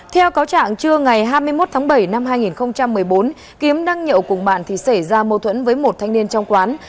theo cáo trạng trưa ngày hai mươi một tháng bảy năm hai nghìn một mươi bốn kiếm đang nhậu cùng bạn thì xảy ra mâu thuẫn với một thanh niên trong quán